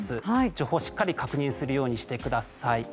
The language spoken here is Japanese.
情報をしっかり確認するようにしてください。